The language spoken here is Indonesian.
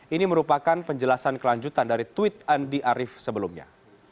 ini merupakan penjelasan kelanjutan dari tweet andi arief sebelumnya